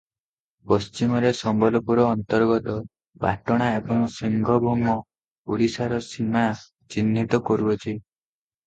ପଶ୍ଚିମରେ ସମ୍ବଲପୁରର ଅନ୍ତର୍ଗତ ପାଟଣା ଏବଂ ସିଂହଭୂମ ଓଡ଼ିଶାର ସୀମା ଚିହ୍ନିତ କରୁଅଛି ।